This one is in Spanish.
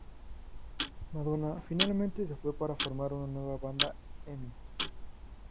Madonna finalmente se fue para formar una nueva banda, Emmy.